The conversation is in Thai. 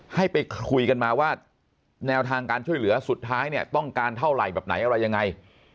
ให้ไปคุยกันมาว่าแนวทางการช่วยเหลือสุดท้ายเนี่ยต้องการเท่าไหร่แบบไหนอะไรยังไง